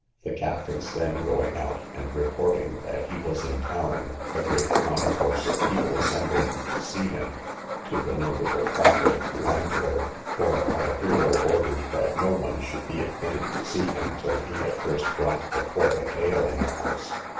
The captains then going out, and reporting that he was in town, a great concourse of people assembled to see him, to the no little profit of the landlord; for our hero ordered that no one should be admitted to see him, till he had first drunk a quart of ale in the house.